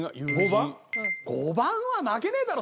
５番は負けねえだろ